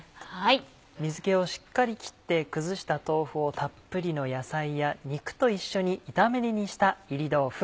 水気をしっかり切って崩した豆腐をたっぷりの野菜や肉と一緒に炒め煮にした炒り豆腐